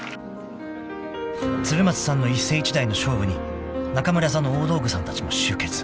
［鶴松さんの一世一代の勝負に中村座の大道具さんたちも集結］